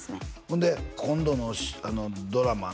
ほんで今度のドラマ